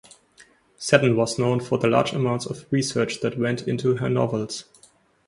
Seton was known for the large amounts of research that went into her novels.